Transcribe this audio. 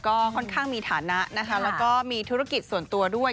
ก็ค่อนข้างมีฐานะนะคะแล้วก็มีธุรกิจส่วนตัวด้วย